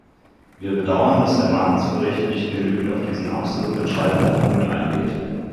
Wir bedauern, dass der Martens-Bericht nicht genügend auf diesen absolut entscheidenden Punkt eingeht.